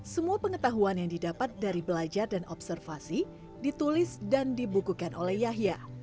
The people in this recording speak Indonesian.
semua pengetahuan yang didapat dari belajar dan observasi ditulis dan dibukukan oleh yahya